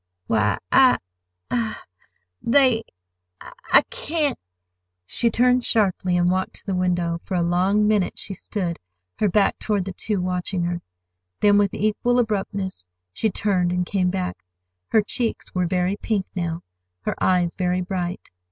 "Why, I—I—They—I can't—" She turned sharply and walked to the window. For a long minute she stood, her back toward the two watching her. Then, with equal abruptness, she turned and came back. Her cheeks were very pink now, her eyes very bright.